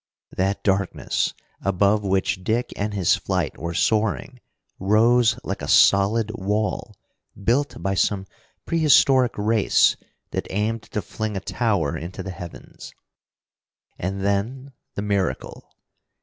That darkness, above which Dick and his flight were soaring, rose like a solid wall, built by some prehistoric race that aimed to fling a tower into the heavens. And then the miracle!